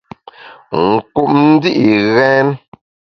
Nkup ndi’ ghèn.